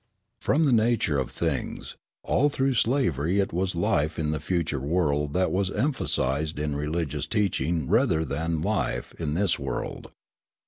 From the nature of things, all through slavery it was life in the future world that was emphasised in religious teaching rather than life in this world.